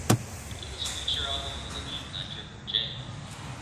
It was Feature Album of the Week on Triple J.